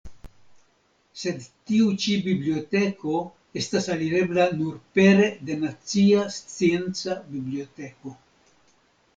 Sed tiu ĉi biblioteko estas alirebla nur pere de nacia scienca biblioteko.